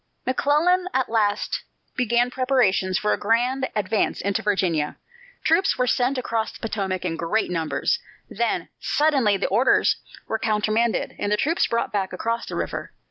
McClellan at last began preparations for a grand advance into Virginia, troops were sent across the Potomac in great numbers then, suddenly, the orders were countermanded and the troops brought back across the river.